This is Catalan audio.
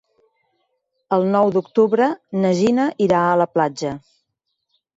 El nou d'octubre na Gina irà a la platja.